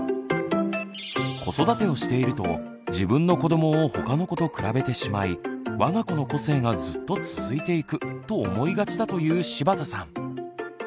子育てをしていると自分の子どもをほかの子と比べてしまい「わが子の個性がずっと続いていく」と思いがちだという柴田さん。